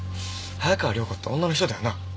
早川涼子って女の人だよな？